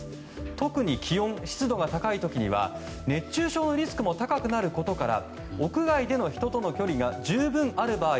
特に気温、湿度が高い時には熱中症のリスクも高くなることから屋外での人との距離が十分ある場合